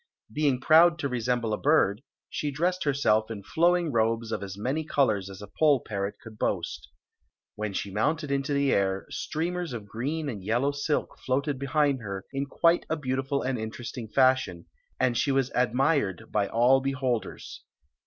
being proud to resemble a bird, she dressed herself in fow mg robes of as many colors as a poll parrot couM boast When she mounted into the air, streamers of green and. yellow silk floated behind her in quite a beautiful and interesting fashion, and she was admired by all beholders.